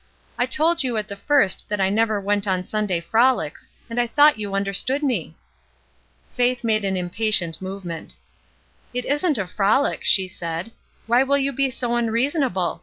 '' I told you at the first that I never went on Sun day frolics, and I thought you understood me." Faith made an impatient movement. "It isn't a frolic," she said. ''Why will you be so imreasonable ?